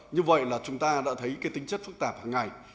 như vậy là chúng ta đã thấy cái tính chất phức tạp hàng ngày